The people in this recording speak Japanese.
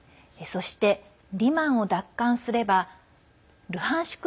そして、リマンを奪還すればルハンシク